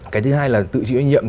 cái thứ hai là tự chịu trách nhiệm